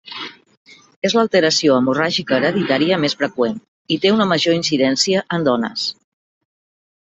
És l’alteració hemorràgica hereditària més freqüent, i té una major incidència en dones.